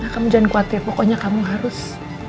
kamu jangan khawatir pokoknya kamu harus